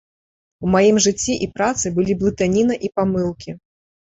У маім жыцці і працы былі блытаніна і памылкі.